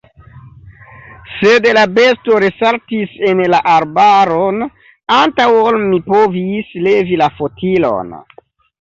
Sed la besto resaltis en la arbaron, antaŭ ol mi povis levi la fotilon.